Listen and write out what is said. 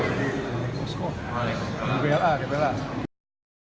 terima kasih semangat terus terima kasih semangat terus terima kasih assalamu'alaikum